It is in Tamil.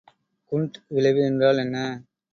குண்ட் விளைவு என்றால் என்ன?